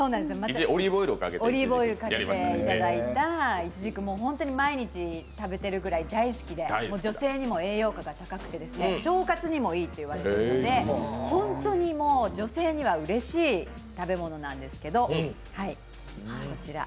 オリーブオイルをかけていただいたイチジク毎日食べてるぐらい大好きで女性にも栄養価が高くて腸活にもいいと言われてるので本当に女性にはうれしい食べ物なんですけど、こちら。